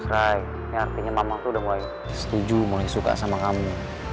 ini pertanda bagus rai ini artinya mama tuh udah mulai setuju mulai suka sama kamu